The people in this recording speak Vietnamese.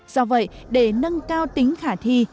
do vậy để nâng cao tính khả thi